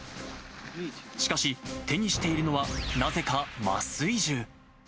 しかし、手にしているのは、なぜか麻酔銃。